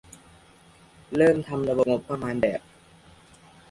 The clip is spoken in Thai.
เริ่มทำระบบงบประมาณแบบ